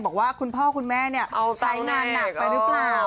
บอกว่าคุณพ่อคุณแม่ใช้งานหนักไปหรือเปล่า